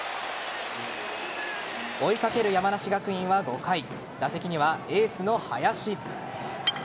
追いかける山梨学院は５回打席にはエースの林。